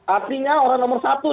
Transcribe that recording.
artinya orang nomor satu